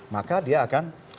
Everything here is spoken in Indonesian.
maka dia akan